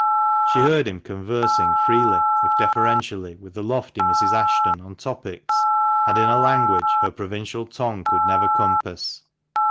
She heard him conversing freely, if deferentially, with the lofty Mrs. Ashton on topics, and in a language her provincial tongue could never compass.